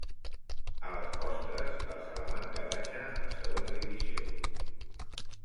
A les postres, el Salamanca baixa a Segona Divisió.